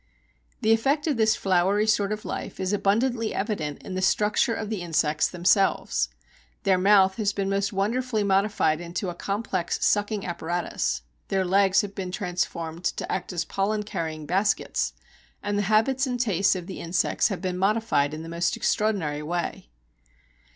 The effect of this flowery sort of life is abundantly evident in the structure of the insects themselves. Their mouth has been most wonderfully modified into a complex sucking apparatus; their legs have been transformed to act as pollen carrying baskets, and the habits and tastes of the insects have been modified in the most extraordinary way.